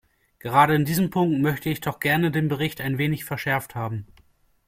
Gerade in diesen Punkten möchte ich doch gerne den Bericht ein wenig verschärft haben.